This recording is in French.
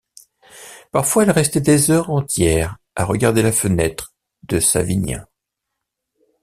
Parfois elle restait des heures entières à regarder la fenêtre de Savinien.